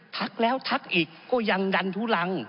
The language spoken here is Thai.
ทักแล้วทักอีกก็ยังดันทุลัง